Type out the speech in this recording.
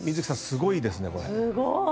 すごいですねこれ。